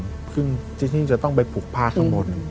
ซึ่งจริงจะต้องไปผูกผ้าข้างบน